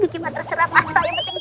kiki mah terserah pas soal yang penting